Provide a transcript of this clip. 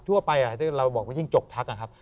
ทั่วไปเราบอกว่าจิ้งจกทักครับ